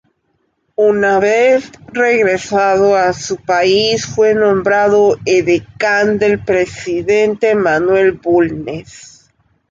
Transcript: Una vez regresado a su país fue nombrado edecán del Presidente Manuel Bulnes.